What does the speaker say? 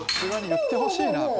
言ってほしいな。